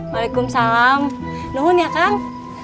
waalaikumsalam nungun ya kang